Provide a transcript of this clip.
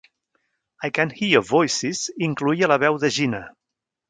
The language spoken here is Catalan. "I can Hear Voices" incloïa la veu de Jina.